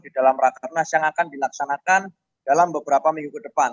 di dalam rakernas yang akan dilaksanakan dalam beberapa minggu ke depan